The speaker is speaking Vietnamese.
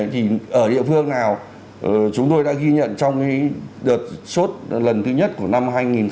thì ở địa phương nào chúng tôi đã ghi nhận trong đợt suốt lần thứ nhất của năm hai nghìn hai mươi một